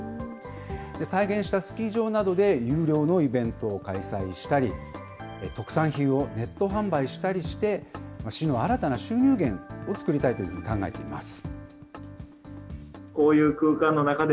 再現したスキー場などで有料のイベントを開催したり、特産品をネット販売したりして、市の新たな収入源を作りたいというふうに考えています。